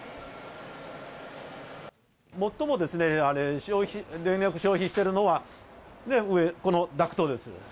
最もですね、電力消費してるのは、このダクトです。